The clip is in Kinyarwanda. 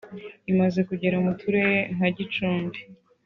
imaze kugera mu turere nka; Gicumbi